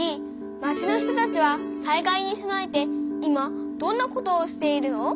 町の人たちは災害に備えて今どんなことをしているの？